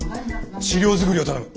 資料作りを頼む。